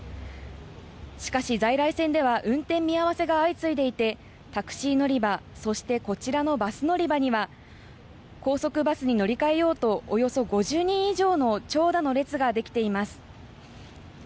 しかし、在来線では運転見合わせが相次いでいてタクシー乗り場、そしてこちらのバス乗り場には高速バスに乗り換えようとおよそ５０人以上の長蛇の列ができています。